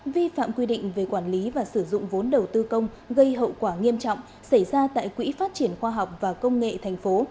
vi phạm quy định về quản lý và sử dụng vốn đầu tư công gây hậu quả nghiêm trọng xảy ra tại quỹ phát triển khoa học và công nghệ tp